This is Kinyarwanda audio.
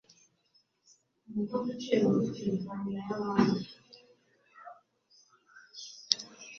Dr Constantinos Manolopoulos